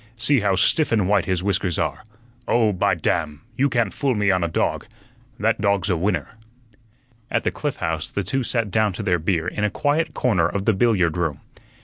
See how stiff and white his whiskers are. Oh, by damn! you can't fool me on a dog. That dog's a winner." At the Cliff House the two sat down to their beer in a quiet corner of the billiard room.